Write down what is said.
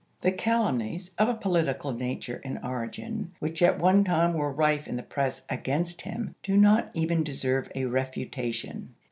The cal umnies, of a political nature and origin, which at one time were rife in the press against him, do not even deserve a refutation.